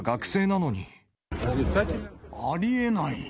ありえない。